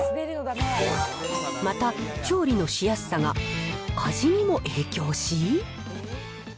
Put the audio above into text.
また、調理のしやすさが味にも影響し。